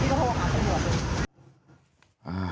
พี่ก็โทรหาไปหมด